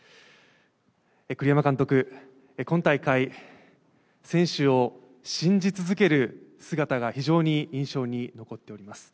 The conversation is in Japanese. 栗山監督、今大会、選手を信じ続ける姿が非常に印象に残っております。